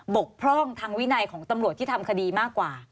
กพร่องทางวินัยของตำรวจที่ทำคดีมากกว่า